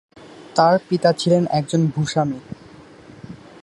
তার পিতা ছিলেন একজন ভূস্বামী।